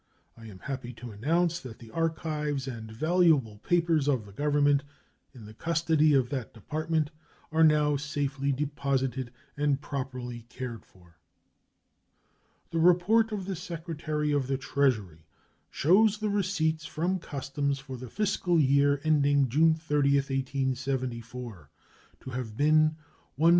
I am happy to announce that the archives and valuable papers of the Government in the custody of that Department are now safely deposited and properly cared for. The report of the Secretary of the Treasury shows the receipts from customs for the fiscal year ending June 30, 1874, to have been $163,103,833.